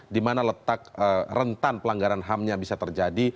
di mana letak rentan pelanggaran hamnya bisa terjadi